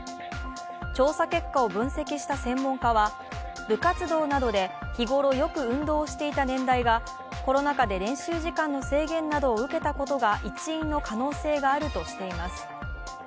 調査結果を分析した専門家は部活動などで日頃よく運動をしていた年代がコロナ禍で練習時間の制限などを受けたことが一因の可能性があるとしています。